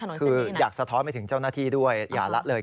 เขาบอกว่าอยากสะท้อนไปถึงเจ้าหน้าที่ด้วย